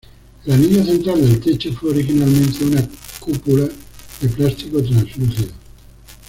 El anillo central del techo fue originalmente una cúpula de plástico traslúcido.